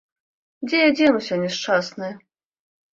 Дзе я дзенуся, няшчасная?